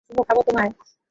চুমু খাবো তোমায়।